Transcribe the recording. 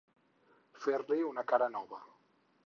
Fer-li una cara nova.